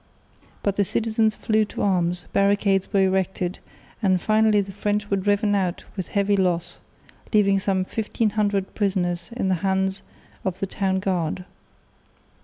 But the citizens flew to arms; barricades were erected; and finally the French were driven out with heavy loss, leaving some 1500 prisoners in the hands of the town guard.